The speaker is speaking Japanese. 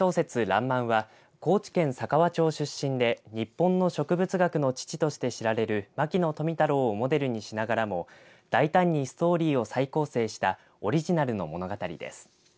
らんまんは高知県佐川町出身で日本の植物学の父として知られる牧野富太郎をモデルにしながらも大胆にストーリーを再構成したオリジナルの物語です。